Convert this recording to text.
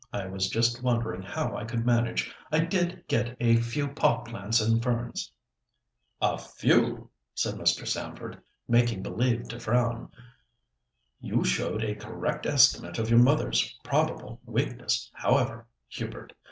"I was just wondering how I could manage; I did get a few pot plants and ferns." "A few!" said Mr. Stamford, making believe to frown. "You showed a correct estimate of your mother's probable weakness, however, Hubert.